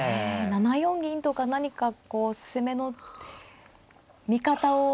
７四銀とか何かこう攻めの味方を。